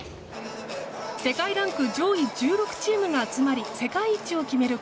世界ランク上位１６チームが集まり世界一を決める